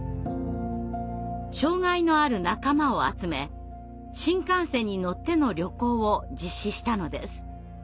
障害のある仲間を集め新幹線に乗っての旅行を実施したのです。